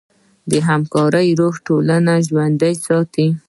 د همکارۍ روح ټولنه ژوندۍ ساتي.